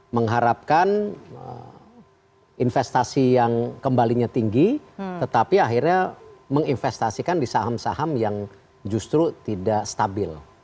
mengharapkan investasi yang kembalinya tinggi tetapi akhirnya menginvestasikan di saham saham yang justru tidak stabil